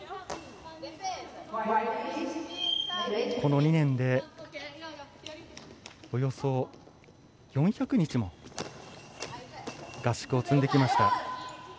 この２年で、およそ４００日も合宿をつんできました。